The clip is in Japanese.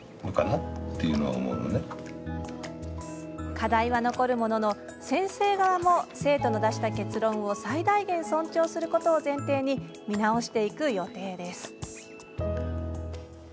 課題は残るものの先生側も生徒の出した結論を最大限、尊重することを前提に見直していく予定です。